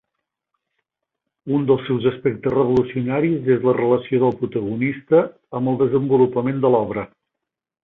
Un dels seus aspectes revolucionaris és la relació del protagonista amb el desenvolupament de l'obra.